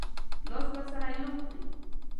لاس ورسره یو کړي.